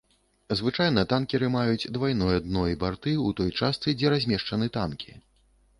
Звычайна танкеры маюць двайное дно і барты ў той частцы, дзе размешчаны танкі.